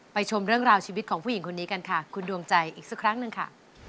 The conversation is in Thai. ชมเรื่องราวชีวิตของผู้หญิงคนนี้กันค่ะคุณดวงใจอีกสักครั้งหนึ่งค่ะ